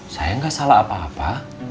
saya nggak salah apa apa